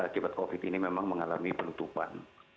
akibat covid ini memang mengalami penutupan